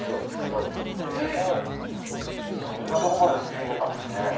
そんなとこまで進んでたんですね。